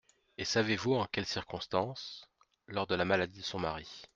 Et savez-vous en quelle circonstance ? Lors de la maladie de son mari.